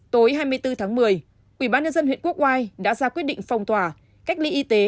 tối hai mươi bốn tháng một mươi ubnd huyện quốc oai đã ra quyết định phong tỏa cách ly y tế